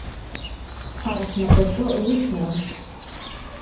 Ҳара ҳнапаҿы уӡуам!